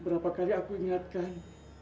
oleh karena tuhan tidak menanya apa apa apa ini